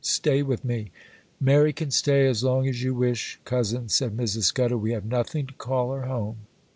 —stay with me!' 'Mary can stay as long as you wish, cousin,' said Mrs. Scudder; 'we have nothing to call her home.